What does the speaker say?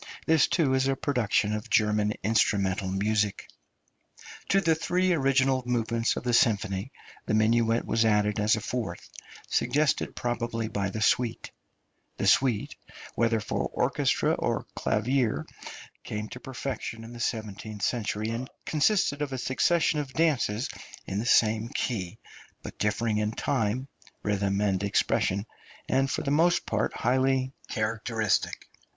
This, too, is a production of German instrumental music. To the three original movements of the symphony the minuet was added as a fourth, suggested probably by the Suite. The Suite, whether for orchestra or clavier, came to perfection in the seventeenth century, and consisted of a succession of dances in the same key, but differing in time, rhythm, and expression, and for the most part highly characteristic.